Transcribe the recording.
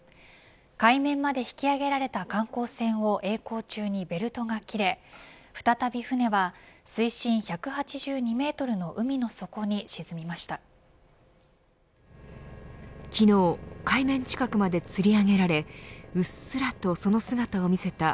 海面まで引き揚げられた観光船をえい航中にベルトが切れ、再び船は水深１８２メートルの海の底に沈みました。